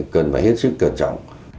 cần phải hết sức cẩn trọng